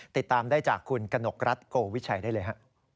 ติดตามได้จากคุณกนกรัฐโกวิชัยได้เลยฮะ